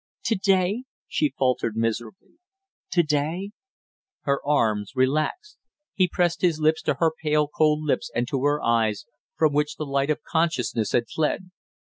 "To day?" she faltered miserably. "To day " Her arms relaxed. He pressed his lips to her pale cold lips and to her eyes, from which the light of consciousness had fled.